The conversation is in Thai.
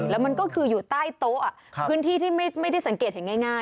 แล้วมันก็คืออยู่ใต้โต๊ะพื้นที่ที่ไม่ได้สังเกตเห็นง่าย